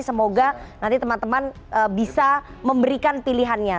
semoga nanti teman teman bisa memberikan pilihannya